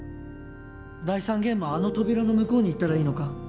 第３ゲームはあの扉の向こうに行ったらいいのか？